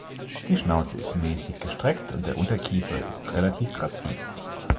Die Schnauze ist mäßig gestreckt und der Unterkiefer ist relativ grazil.